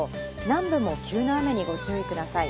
南部も急な雨にご注意ください。